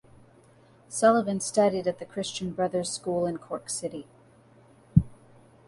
Sullivan studied at the Christian Brothers school in Cork city.